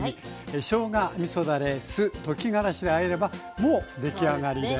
しょうがみそだれ・酢溶きがらしであえればもう出来上がりです。